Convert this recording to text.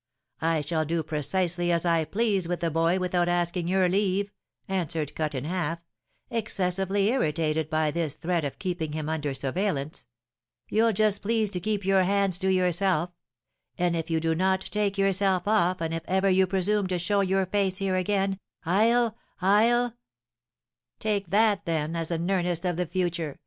'I shall do precisely as I please with the boy, without asking your leave,' answered Cut in Half, excessively irritated by this threat of keeping him under surveillance; 'you'll just please to keep your hands to yourself; and if you do not take yourself off, and if ever you presume to show your face here again, I'll I'll ' 'Take that, then, as an earnest of the future!'